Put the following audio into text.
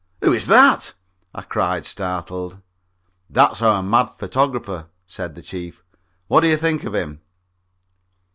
"Who is that?" I cried, startled. "That's our mad photographer," said the Chief. "What do you think of him?"